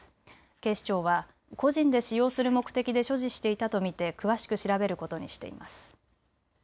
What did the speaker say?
警視庁は個人で使用する目的で所持していたと見て詳しく調べることにしています。